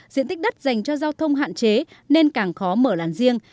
diện tích đất dành cho giao thông hạn chế nên càng khó mở làn riêng